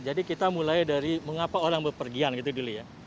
jadi kita mulai dari mengapa orang berpergian gitu dulu ya